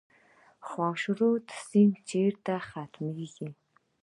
خاشرود سیند چیرته ختمیږي؟